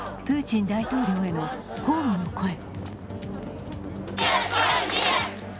プーチン大統領への抗議の声。